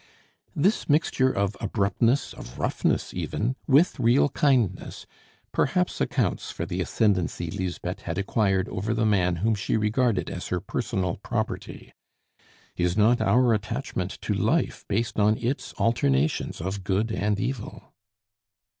This mixture of abruptness, of roughness even, with real kindness, perhaps accounts for the ascendency Lisbeth had acquired over the man whom she regarded as her personal property. Is not our attachment to life based on its alternations of good and evil?